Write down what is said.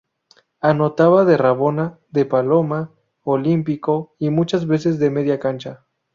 Anotaba de rabona, de paloma, olímpico y muchas veces de media cancha.